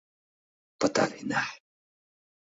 — Пытарена...